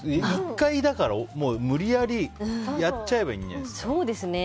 １回、無理やり、やっちゃえばいいんじゃないですか。